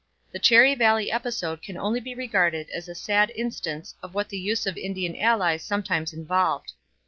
The Cherry Valley episode can only be regarded as a sad instance of what the use of Indian allies sometimes involved.